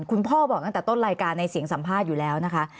พ่อบอกตั้งแต่ต้นรายการในเสียงสัมภาษณ์อยู่แล้วนะคะ